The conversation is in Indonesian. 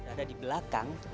ada di belakang ada di bawah